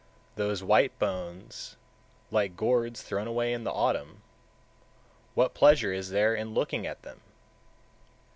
149. Those white bones, like gourds thrown away in the autumn, what pleasure is there in looking at them?